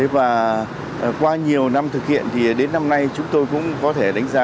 và qua nhiều năm thực hiện thì đến năm nay chúng tôi cũng có thể đánh giá